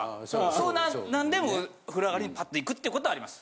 そんななんで風呂上がりにパッて行くってことはあります。